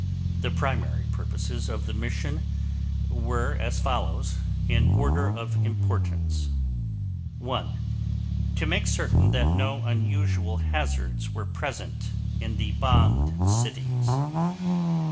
The primary purposes of the mission were as follows, in order of importance: 1. To make certain that no unusual hazards were present in the bombed cities.